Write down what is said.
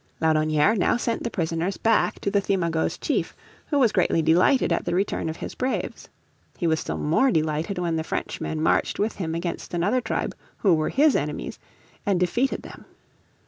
Laudonnière now sent the prisoners back to the Thimagoes' chief, who was greatly delighted at the return of his braves. He was still more delighted when the Frenchmen marched with him against another tribe who were his enemies, and defeated them.